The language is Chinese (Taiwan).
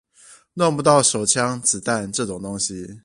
弄不到手槍子彈這種東西